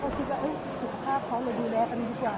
อยากงานนี้จะได้ข้อมูลเข้าโรงพยาบาล